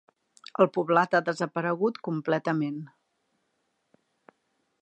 El poblat ha desaparegut completament.